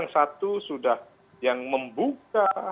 satu sudah yang membuka